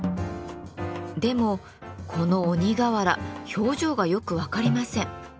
でもこの鬼瓦表情がよく分かりません。